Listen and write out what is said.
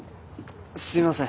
すいません。